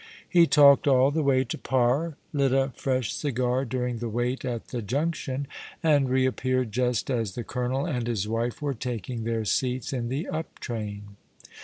Ho talked all the way to Par, lit a fresh cigar during the wait at the junction, and reappeared just as the colonel and his wife were taking their seats in the up train.